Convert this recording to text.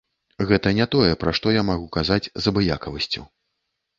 Гэта не тое, пра што я магу казаць з абыякавасцю.